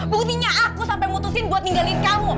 buktinya aku sampai mutusin buat ninggalin kamu